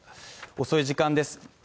遅い時間です